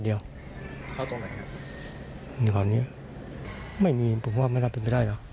ตรงนี้ไม่มีผมว่าไม่รับเป็นไปได้หรอก